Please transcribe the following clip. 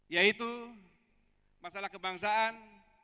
yaitu masalah kebangsaan